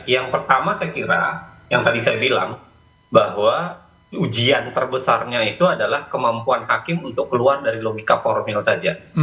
yang pertama saya kira yang tadi saya bilang bahwa ujian terbesarnya itu adalah kemampuan hakim untuk keluar dari logika formil saja